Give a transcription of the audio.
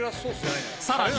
さらに